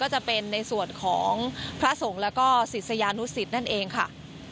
จะเป็นในส่วนของพระสงฆ์แล้วก็ศิษยานุสิตนั่นเองค่ะ